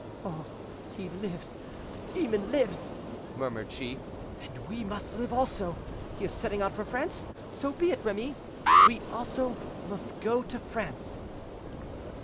"Oh! he lives! the demon lives!" murmured she; "and we must live also. He is setting out for France; so be it, Remy, we also must go to France."